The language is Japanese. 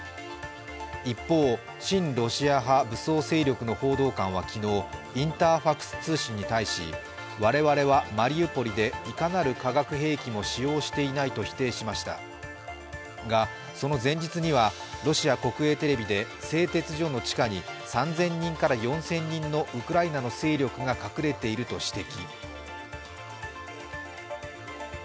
一方、親ロシア派武装勢力の報道官は昨日インターファクス通信に対し我々はマリウポリでいかなる化学兵器も使用していないと否定しましたが、その前日にはロシア国営テレビで製鉄所の地下に３０００人から４０００人のウクライナの勢力が隠れていると指摘。